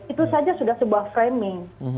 itu saja sudah sebuah framing